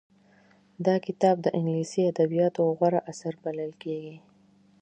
دا کتاب د انګليسي ادبياتو غوره اثر بلل کېږي.